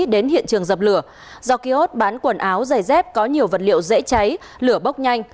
đến hiện trường dập lửa do kiosk bán quần áo giày dép có nhiều vật liệu dễ cháy lửa bốc nhanh